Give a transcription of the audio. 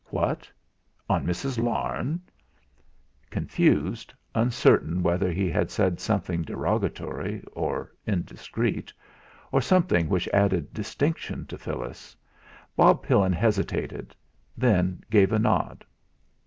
"What! On this Mrs. Larne?" Confused, uncertain whether he had said something derogatory or indiscreet, or something which added distinction to Phyllis, Bob Pillin hesitated, then gave a nod.